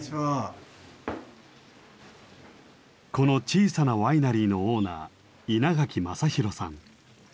この小さなワイナリーのオーナー稲垣雅洋さん。